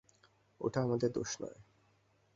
ওটা আমাদের দোষ না।